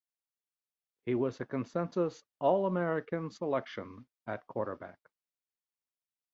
He was a consensus All-American selection at quarterback.